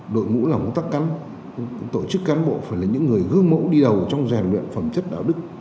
đội ngũ làm công tác cán tổ chức cán bộ phải là những người gương mẫu đi đầu trong rèn luyện phẩm chất đạo đức